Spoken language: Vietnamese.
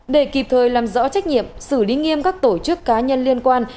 để kịp thời làm rõ trách nhiệm xử lý nghiêm các tổ chức cá nhân liên quan